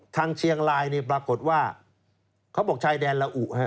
ทางเชียงรายปรากฏว่าเขาบอกชายแดนละอุ